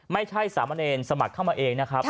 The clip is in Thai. ไม่ใช่สามเณรสมัครเข้ามาเองนะครับ